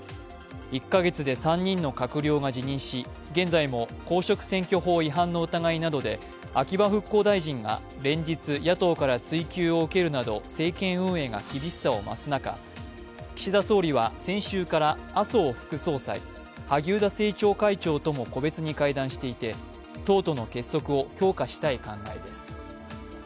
１か月で３人の閣僚が辞任し、現在も公職選挙法違反などの疑いで秋葉復興大臣が連日、野党から追及を受けるなど政権運営が厳しさを増す中、岸田総理は先週から麻生副総裁、萩生田政調会長とも個別に会談していて、党との結束を強化したい考えです。